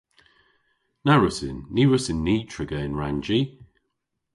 Na wrussyn. Ny wrussyn ni triga yn rannji.